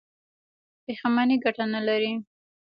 پښیماني ګټه نلري.